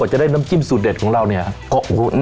กว่าจะได้น้ำจิ้มสูดเด็ดเรนนี่